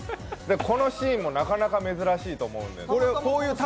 このシーンもなかなか珍しいと思うんで。